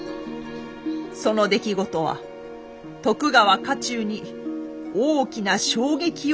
その出来事は徳川家中に大きな衝撃を与えました。